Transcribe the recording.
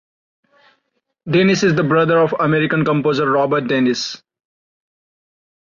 Dennis is the brother of American composer Robert Dennis.